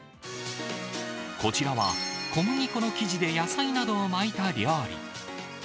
こちらは、小麦粉の生地で野菜などを巻いた料理。